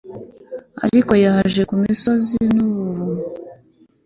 oracle yaje ku misozi nubuvumo